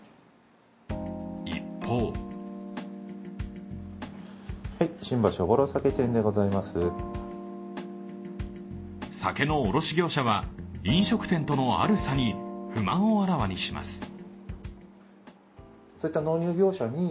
一方酒の卸業者は、飲食店とのある差に不満をあらわにします。